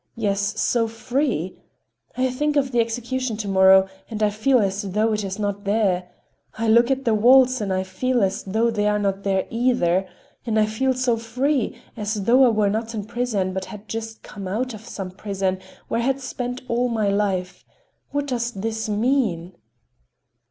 Yes, so free? I think of the execution to morrow—and I feel as though it is not there. I look at the walls—and I feel as though they are not here, either. And I feel so free, as though I were not in prison, but had just come out of some prison where I had spent all my life. What does this mean?"